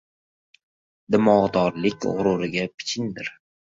Dimog‘dorlik g‘ururga pichingdir.